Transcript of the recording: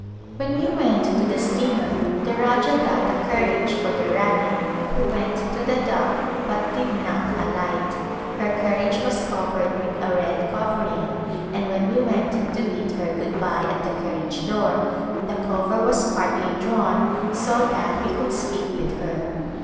When we went to the steamer the Rajah got a car riage for the Rani who went to the dock but did not alight. Her carriage was covered with a red cover A Summer Resort ing and when we went to bid her good bye at the carriage door the cover was partly drawn so that we could speak with her.